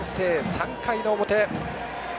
３回の表。